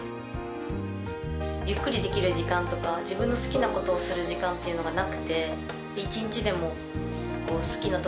ゆっくりできる時間とか、自分の好きなことをする時間っていうのがなくて、１日でも好きな